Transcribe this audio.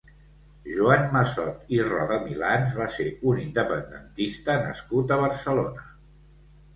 Joan Massot i Rodamilans va ser un independentista nascut a Barcelona.